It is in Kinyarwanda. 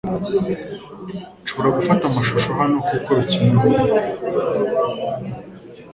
Nshobora gufata amashusho hano kuko bikenewe